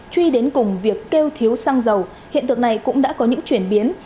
truy đến cùng việc kêu thiếu xăng dầu hiện tượng này cũng đã có những chuyển biến